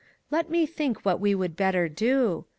Let me think what we would better do.